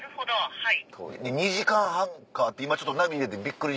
はい。